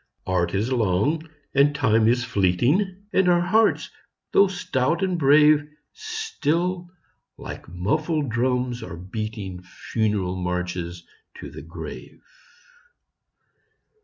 Art is long, and Time is fleeting, And our hearts, though stout and brave, Still, like muffled drums, are beating Funeral marches to the grave.